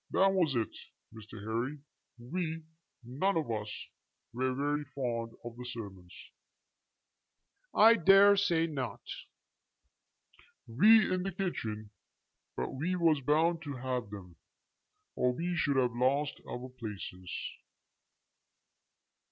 "That was it, Mr. Harry. We, none of us, were very fond of the sermons." "I dare say not." "We in the kitchen. But we was bound to have them, or we should have lost our places."